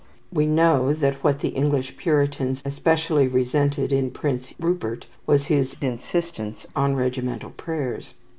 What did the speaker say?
We know that what the English Puritans especially resented in Prince Rupert was his insistence on regimental prayers.